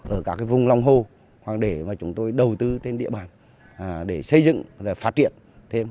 ở các cái vùng long hô hoặc để mà chúng tôi đầu tư trên địa bàn để xây dựng và phát triển thêm